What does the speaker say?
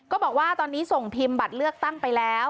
บอกว่าตอนนี้ส่งพิมพ์บัตรเลือกตั้งไปแล้ว